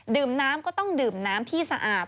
ดื่มน้ำก็ต้องดื่มน้ำที่สะอาด